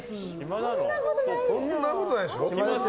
そんなことないでしょ。